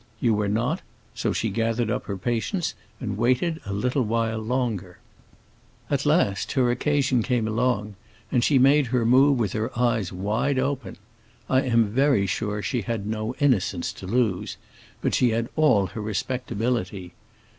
You were not; so she gathered up her patience and waited a while longer. At last her occasion came along, and she made her move with her eyes wide open. I am very sure she had no innocence to lose, but she had all her respectability.